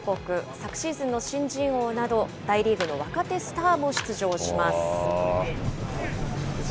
昨シーズンの新人王など、大リーグの若手スターも出場します。